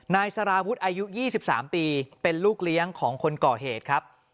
นายสารวุฒิอายุ๒๓ปีเป็นลูกเลี้ยงของคนก่อเหตุครับ